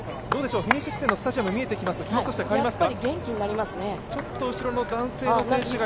フィニッシュ地点のスタジアムが見えてきますが、気持ちとしては変わりますか？